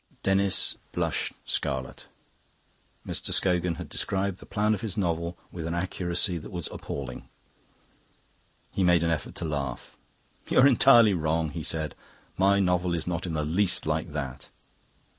Denis blushed scarlet. Mr. Scogan had described the plan of his novel with an accuracy that was appalling. He made an effort to laugh. "You're entirely wrong," he said. "My novel is not in the least like that."